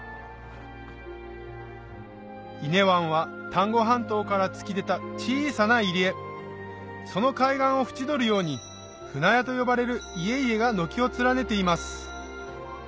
伊根湾は丹後半島から突き出た小さな入り江その海岸を縁取るように舟屋と呼ばれる家々が軒を連ねています